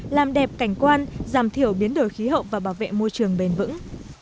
làm đẹp cảnh quan giảm thiểu biến đổi khí hậu và bảo vệ môi trường bền vững